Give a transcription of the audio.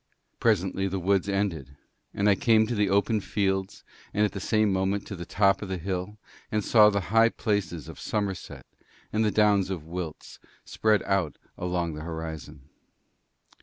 Presently the woods ended, and I came to the open fields and at the same moment to the top of the hill, and saw the high places of Somerset and the downs of Wilts spread out along the horizon.